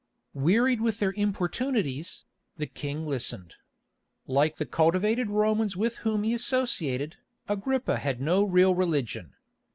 Wearied with their importunities, the King listened. Like the cultivated Romans with whom he associated, Agrippa had no real religion.